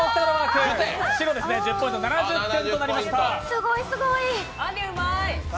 すごい、すごい。よし！